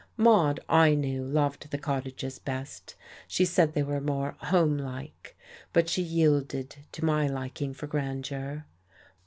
Maude, I knew, loved the cottages best. She said they were more "homelike." But she yielded to my liking for grandeur.